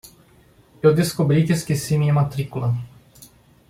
Eu descobri que esqueci minha matrícula.